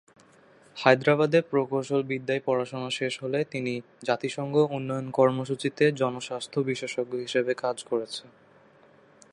হায়দ্রাবাদে প্রকৌশলবিদ্যায় পড়াশোনা শেষ হলে তিনি জাতিসংঘ উন্নয়ন কর্মসূচীতে জনস্বাস্থ্য বিশেষজ্ঞ হিসেবে কাজ করেছে।